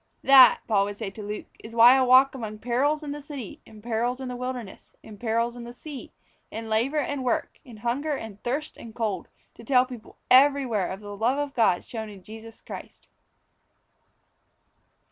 That (Paul would say to Luke) is why I walk among perils in the city; in perils in the wilderness; in perils in the sea; in labour and work; in hunger and thirst and cold, to tell people everywhere of the love of God shown in Jesus Christ."